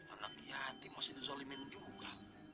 orang yatim masih dizolimen juga